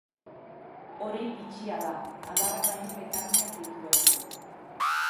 Orein bitxia da, adarrak baino letaginak dituelako.